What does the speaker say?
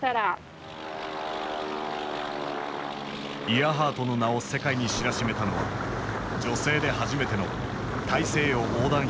イアハートの名を世界に知らしめたのは女性で初めての大西洋横断飛行だった。